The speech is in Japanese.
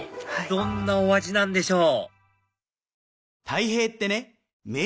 どんなお味なんでしょう？